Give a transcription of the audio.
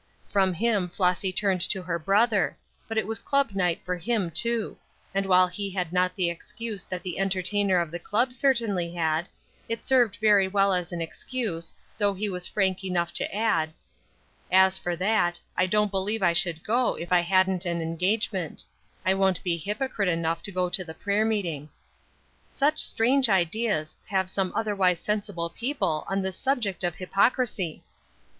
From him Flossy turned to her brother; but it was club night to him, too, and while he had not the excuse that the entertainer of the club certainly had, it served very well as an excuse, though he was frank enough to add, "As for that, I don't believe I should go if I hadn't an engagement; I won't be hypocrite enough to go to the prayer meeting." Such strange ideas have some otherwise sensible people on this subject of hypocrisy!